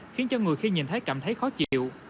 khiến cho người khi nhìn thấy cảm thấy khó chịu